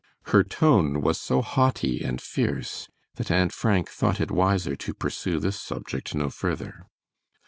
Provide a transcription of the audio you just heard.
Her tone was so haughty and fierce that Aunt Frank thought it wiser to pursue this subject no further.